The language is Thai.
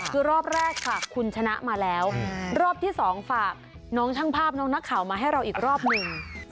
คือรอบแรกค่ะคุณชนะมาแล้วรอบที่๒ฝากน้องช่างภาพน้องนักข่าวมาให้เราอีกรอบหนึ่ง